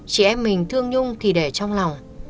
chị em mình thương nhung thì để trong lòng